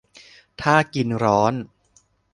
ถ้า กินร้อน